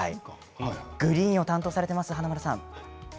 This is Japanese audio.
グリーンを担当されています華丸さん。